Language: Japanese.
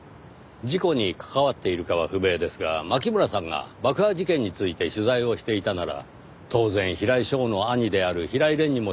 事故に関わっているかは不明ですが牧村さんが爆破事件について取材をしていたなら当然平井翔の兄である平井蓮にも取材をしていたはずです。